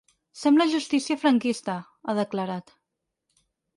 Sembla justícia franquista, ha declarat.